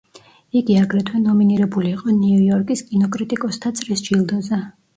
იგი აგრეთვე ნომინირებული იყო ნიუ-იორკის კინოკრიტიკოსთა წრის ჯილდოზე.